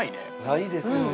ないですよね。